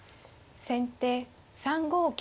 先手３五金。